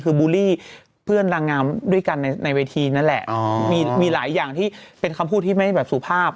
คือบูลลี่เพื่อนนางงามด้วยกันในเวทีนั่นแหละมีหลายอย่างที่เป็นคำพูดที่ไม่แบบสุภาพ